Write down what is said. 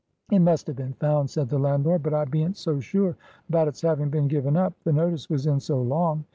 "It must have been found," said the landlord; "but I bean't so sure about it's having been given up, the notice was in so long.